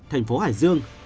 thành phố hải dương